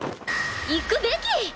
行くべき！